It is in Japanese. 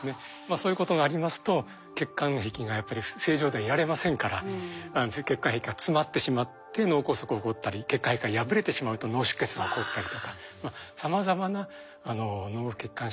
そういうことがありますと血管壁がやっぱり正常ではいられませんから血管壁が詰まってしまって脳梗塞起こったり血管壁が破れてしまうと脳出血が起こったりとかさまざまな脳血管障害が起こります。